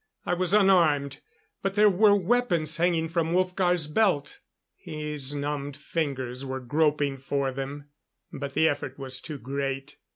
I was unarmed; but there were weapons hanging from Wolfgar's belt. His numbed fingers were groping for them. But the effort was too great.